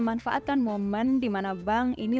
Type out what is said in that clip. memanfaatkan momen dimana bank ini